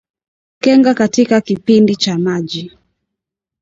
Kenga katika kipindi cha maji